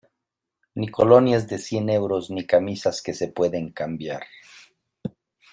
ni colonias de cien euros ni camisas que se pueden cambiar